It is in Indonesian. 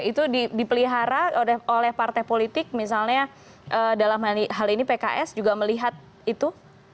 itu dipelihara oleh partai politik misalnya dalam hal ini pks juga melihat itu